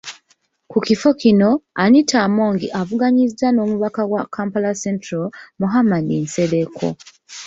Ku kifo kino, Anita Among avuganyizza n’omubaka wa Kampala Central, Muhammad Nsereko.